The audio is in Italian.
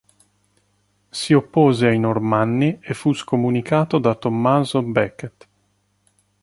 Si oppose ai Normanni e fu scomunicato da Tommaso Becket.